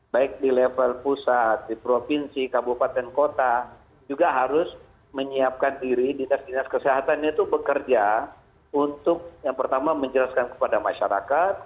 baik di level pusat di provinsi kabupaten kota juga harus menyiapkan diri dinas dinas kesehatan itu bekerja untuk yang pertama menjelaskan kepada masyarakat